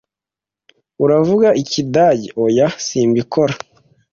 "Uravuga Ikidage?" "Oya, simbikora."